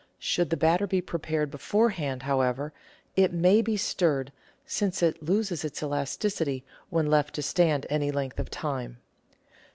Should the batter be prepared beforehand, however, it may be 96 GUIDE TO MODERN COOKERY stirred, since it loses its elasticity when left to stand any length of time.